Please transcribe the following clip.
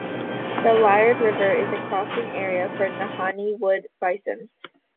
The Liard River is a crossing area for Nahanni wood bison.